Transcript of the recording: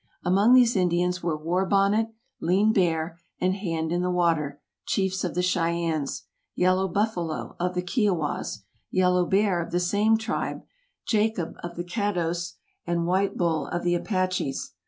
Among these Indians were War Bonnet, Lean Bear, and Hand in the water, chiefs of the Cheyennes; Yellow Buffalo, of the Kiowas; Yellow Bear, of the same tribe; Jacob, of the Caddos; and White Bull, of the Apaches.